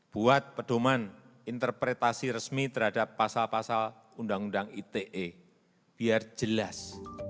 buat pedoman interpretasi resmi terhadap pasal pasal undang undang ite biar jelas